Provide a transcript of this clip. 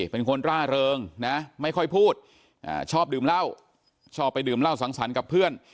เป็นคนร่าเริงนะไม่ค่อยพูดชอบดื่มเหล้าชอบไปดื่มเหล้าสังสรรค์กับเพื่อน